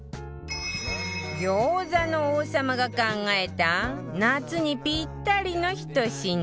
餃子の王様が考えた夏にピッタリのひと品